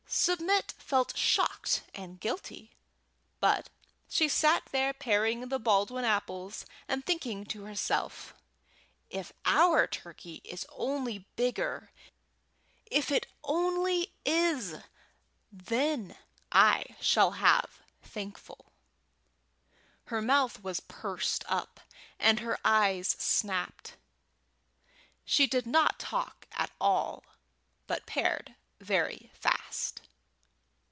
Submit felt shocked and guilty, but she sat there paring the Baldwin apples, and thinking to herself: "If our turkey is only bigger, if it only is, then I shall have Thankful." Her mouth was pursed up and her eyes snapped. She did not talk at all, but pared very fast.